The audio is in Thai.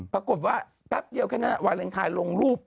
แป๊บเดียวแค่นั้นวาเลนไทยลงรูป